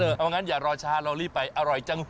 เอาอย่างนั้นอย่ารอช้าเรารีบไปอร่อยจังครับ